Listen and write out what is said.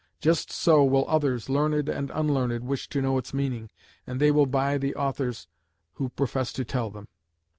Just so will others, learned and unlearned, wish to know its meaning, and they will buy the authors who profess to tell them.